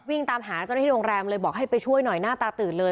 ตามหาเจ้าหน้าที่โรงแรมเลยบอกให้ไปช่วยหน่อยหน้าตาตื่นเลย